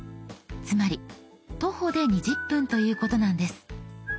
つまり徒歩で２０分ということなんです。